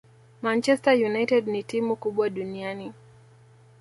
Manchester United ni timu kubwa duniani